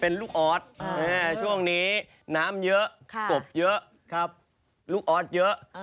ในช่วงนี้น้ำเยอะกบเยอะลูกออธเยอะ